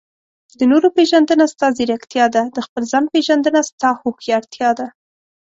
د نورو پېژندنه؛ ستا ځیرکتیا ده. د خپل ځان پېژندنه؛ ستا هوښيارتيا ده.